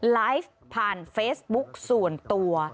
ไลฟ์ผ่านเฟซบุ๊กส่วนตัว